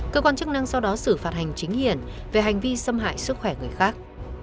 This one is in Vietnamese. cơ quan chức năng sau đó xử phạt hành chính hiển về hành vi xâm hại sức khỏe người khác